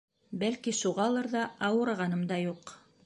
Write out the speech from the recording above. Бәлки, шуғалыр ҙа ауырығаным да юҡ.